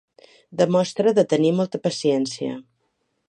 Demostra de tenir molta paciència.